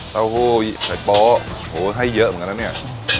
เต้าหู้ใส่โป๊โหให้เยอะเหมือนกันนะเนี่ย